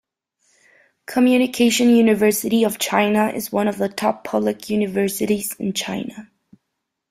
Communication University of China is one of the top public universities in China.